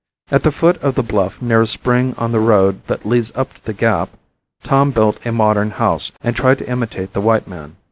At the foot of the bluff near a spring on the road that leads up to the gap Tom built a modern house and tried to imitate the white man.